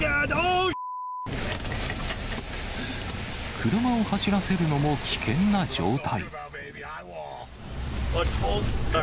車を走らせるのも危険な状態。